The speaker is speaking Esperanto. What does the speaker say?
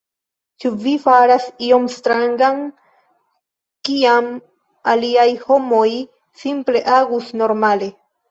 Ĉu vi faras ion strangan, kiam aliaj homoj simple agus normale.